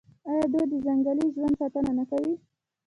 آیا دوی د ځنګلي ژوند ساتنه نه کوي؟